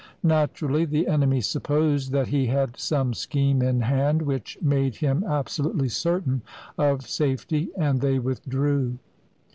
Naturally, the enemy supposed that he had 57 CHINA some scheme in hand which made him absolutely certain of safety, and they withdrew.